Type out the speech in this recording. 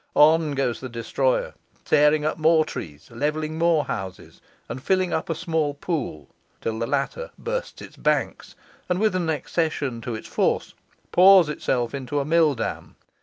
On goes the destroyer, tearing up more trees, levelling more houses, and filling up a small pool, till the latter bursts its banks, and, with an accession to its force, pours itself into a mill dam.